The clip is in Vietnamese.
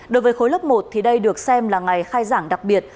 đối với khối lớp một thì đây được xem là ngày khai giảng đặc biệt